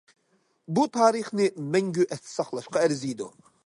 بۇ تارىخنى مەڭگۈ ئەستە ساقلاشقا ئەرزىيدۇ.